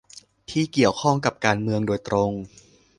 ที่เกี่ยวข้องกับการเมืองโดยตรง